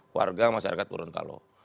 keluarga masyarakat gorontalo